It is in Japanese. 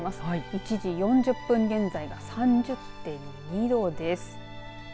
１時４０分現在３０．２度です。